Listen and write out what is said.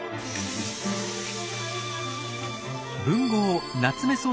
文豪夏目